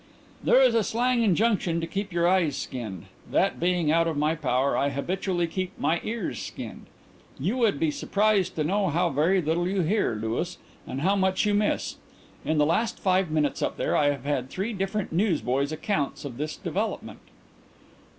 "There is a slang injunction to 'keep your eyes skinned.' That being out of my power, I habitually 'keep my ears skinned.' You would be surprised to know how very little you hear, Louis, and how much you miss. In the last five minutes up there I have had three different newsboys' account of this development."